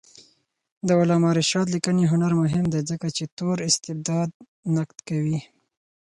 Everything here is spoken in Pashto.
د علامه رشاد لیکنی هنر مهم دی ځکه چې تور استبداد نقد کوي.